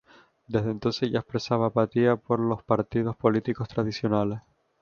Desde entonces ya expresaba apatía por los partidos políticos tradicionales.